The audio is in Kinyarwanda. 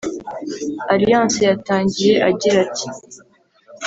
Alliance yatangiye agira ati